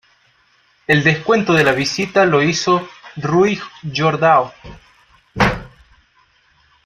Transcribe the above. El descuento de la visita lo hizo Rui Jordão.